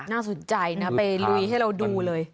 น่าสนใจนะไปลุยให้เราดูเลย